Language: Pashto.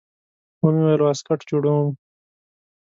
ومې ويل واسکټ جوړوم.